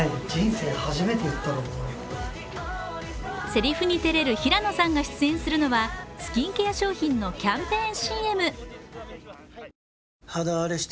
せりふに照れる平野さんが出演するのはスキンケア商品のキャンペーンＣＭ。